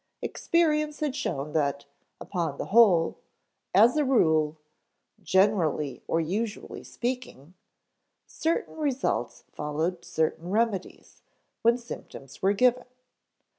Experience had shown that "upon the whole," "as a rule," "generally or usually speaking," certain results followed certain remedies, when symptoms were given.